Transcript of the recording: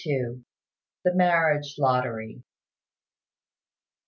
LXII. THE MARRIAGE LOTTERY.